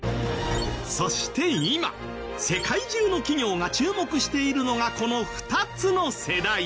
そして今世界中の企業が注目しているのがこの２つの世代。